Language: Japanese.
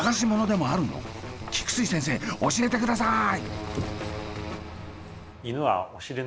菊水先生教えてください！